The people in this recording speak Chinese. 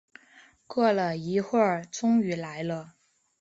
等了一会儿终于来了